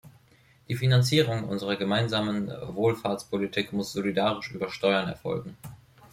Die Finanzierung unserer gemeinsamen Wohlfahrtspolitik muss solidarisch über Steuern erfolgen.